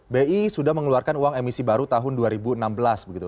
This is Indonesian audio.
bi sudah mengeluarkan uang emisi baru tahun dua ribu enam belas begitu